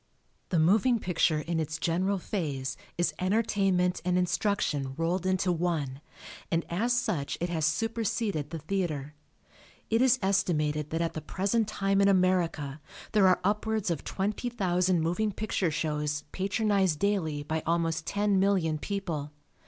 The moving picture in its general phase is entertainment and instruction rolled into one and as such it has superseded the theatre. It is estimated that at the present time in America there are upwards of 20,000 moving picture shows patronized daily by almost ten million people.